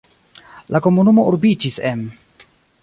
La komunumo urbiĝis en.